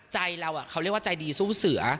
ใจเราเขาเรียกว่าใจดีสู้เสือ